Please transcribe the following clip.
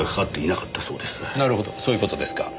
なるほどそういう事ですか。